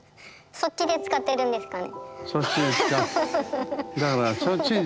そっちで使ってるんですかね？